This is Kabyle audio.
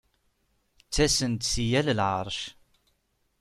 Ttasen-d si yal lɛeṛc.